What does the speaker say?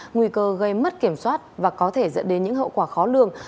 nguy cơ gây mất kiểm soát và có thể dẫn đến những hậu quả khó lường